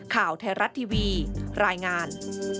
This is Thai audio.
ข่าวไทยรัฐทีวีรายงาน